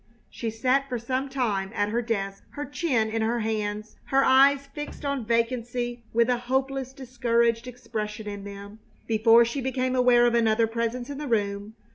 She sat for some time at her desk, her chin in her hands, her eyes fixed on vacancy with a hopeless, discouraged expression in them, before she became aware of another presence in the room.